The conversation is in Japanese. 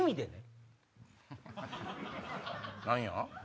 何や？